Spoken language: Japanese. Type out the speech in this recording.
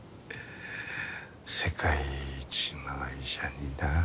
世界一の医者にな。